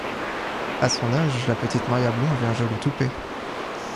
A son âge, la petite Maria Blond avait un joli toupet.